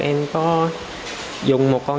em có dùng một con